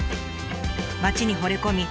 町にほれ込み